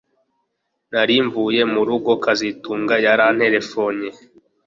Nari mvuye mu rugo kazitunga yaranterefonnye